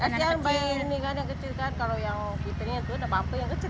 yang kecil kan kalau yang kita itu ada pampu yang kecil